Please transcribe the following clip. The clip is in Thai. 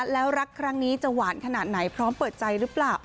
แล้วรักครั้งนี้จะหวานขนาดไหนพร้อมเปิดใจหรือเปล่า